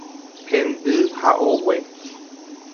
Hendy ha ogue